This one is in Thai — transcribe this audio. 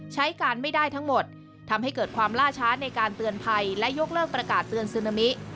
ใช้การไม่ได้ทั้งหมดทำให้เกิดความล่าช้าในการเตือนภัยและยกเลิกประกาศเตือนซึนามิ